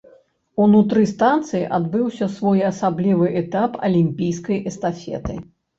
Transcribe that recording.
Унутры станцыі адбыўся своеасаблівы этап алімпійскай эстафеты.